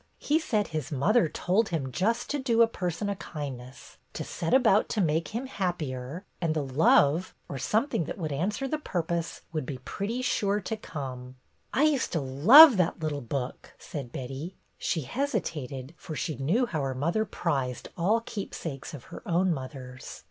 "He said his mother told him just to do a person a kindness, to set about to make him happier, and the love, or something that BETTY'S GOLDEN MINUTE 69 would answer the purpose, would be pretty sure to come/' " I used to love that little book," said Betty. She hesitated, for she knew how her mother prized all keepsakes of her own mother's.